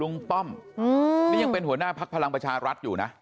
ป้อมนี่ยังเป็นหัวหน้าพักพลังประชารัฐอยู่นะ